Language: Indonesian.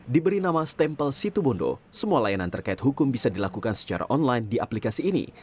diberi nama stempel situbondo semua layanan terkait hukum bisa dilakukan secara online di aplikasi ini